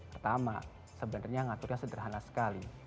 pertama sebenarnya ngaturnya sederhana sekali